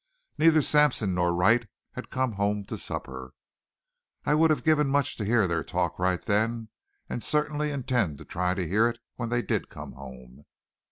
Neither Sampson nor Wright had come home to supper. I would have given much to hear their talk right then, and certainly intended to try to hear it when they did come home.